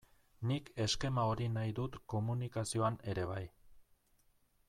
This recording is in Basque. Nik eskema hori nahi dut komunikazioan ere bai.